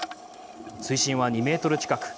水深は２ｍ近く。